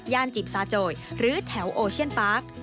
จิบซาโจยหรือแถวโอเชียนปาร์ค